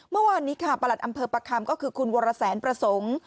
เมื่อวานนี้ค่ะประหลัดอำเภอประคำก็คือคุณวรแสนประสงค์